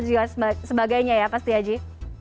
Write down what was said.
dan sebagainya ya pastihaji